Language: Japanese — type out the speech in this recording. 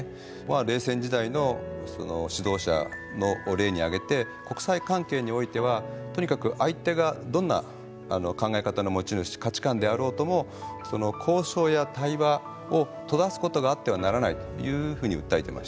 冷戦時代の指導者を例に挙げて国際関係においてはとにかく相手がどんな考え方の持ち主価値観であろうとも交渉や対話を閉ざすことがあってはならないというふうに訴えてましたね。